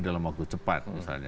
dalam waktu cepat